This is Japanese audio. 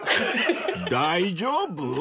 ［大丈夫？］